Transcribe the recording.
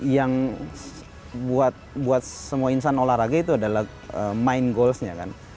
yang buat semua insan olahraga itu adalah main goalsnya kan